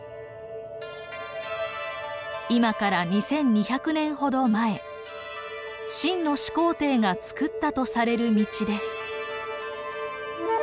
今から２，２００年ほど前秦の始皇帝がつくったとされる道です。